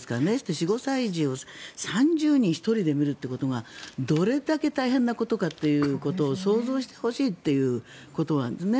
４５歳児を３０人１人で見るということがどれだけ大変なことかっていうことを想像してほしいっていうことなんですね。